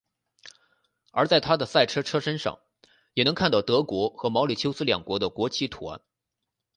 而在他的赛车车身上也能看到德国和毛里求斯两国的国旗图案。